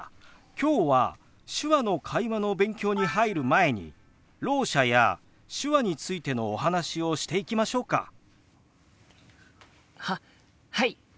今日は手話の会話の勉強に入る前にろう者や手話についてのお話をしていきましょうか。ははい！